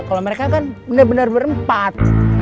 kalau mereka kan benar benar berempat